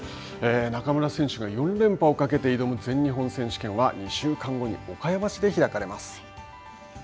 中村選手が４連覇をかけて挑む全日本選手権は２週間後に岡山市で開かれます。